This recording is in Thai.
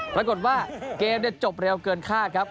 ปรากฏว่าเกมจบเร็วเกินคาดครับ